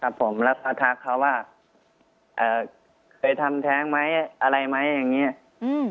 ผมแล้วก็ทักเขาว่าเอ่อเคยทำแท้งไหมอะไรไหมอย่างเงี้อืม